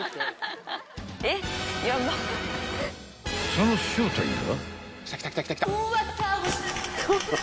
［その正体は？］